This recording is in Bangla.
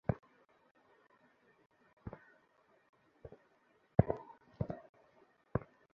সাজে ভিন্নতা আনতে খাটো শার্টের সঙ্গে রঙিন চিকন কোমরবন্ধনীও পরতে পারেন।